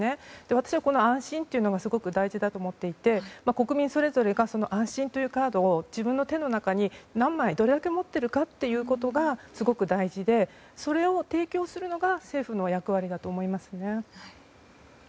私は、この安心というのがすごく大事だと思っていて国民それぞれが安心というカードを自分の手の中にどれだけ持っているかということがすごく大事でそれを提供するのが政府の役割だと思います。